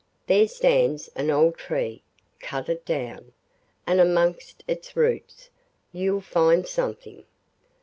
There stands an old tree; cut it down, and amongst its roots you'll find something.